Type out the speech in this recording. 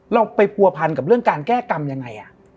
เราไปผัวพันกับเรื่องการแก้กรรมยังไง